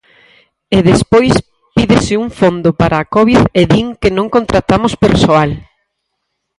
¿¡E despois pídese un fondo para a covid e din que non contratamos persoal!?